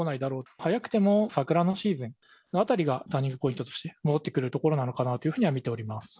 早くても桜のシーズンのあたりが、ターニングポイントとして、戻ってくるところなのかなというふうには見ております。